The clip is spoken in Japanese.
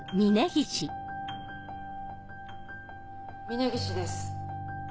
峰岸です。